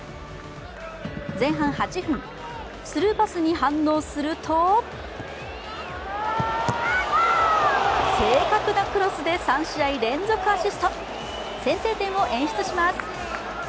前半８分、スルーパスに反応すると正確なクロスで３試合連続アシスト先制点を演出します。